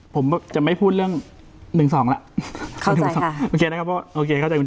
ผมจะไม่พูดเรื่อง๑๒ล่ะเข้าใจค่ะ